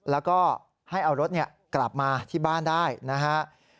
แล้วก็ให้เอารถกลับมาที่บ้านได้นะครับ